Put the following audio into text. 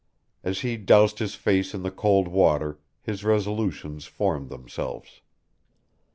As he doused his face in the cold water his resolutions formed themselves.